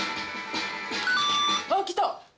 あっきた。